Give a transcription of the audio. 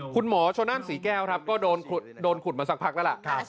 คุณหมอชนนั่นศรีแก้วครับก็โดนขุดมาสักพักแล้วล่ะ